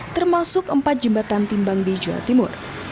termasuk empat jembatan timbang di jawa timur